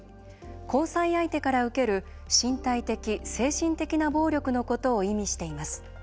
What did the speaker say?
交際している相手から受ける身体的・精神的な暴力のことを意味しています。